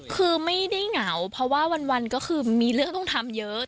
คือไม่ได้เหงาเพราะว่าวันก็คือมีเรื่องต้องทำเยอะ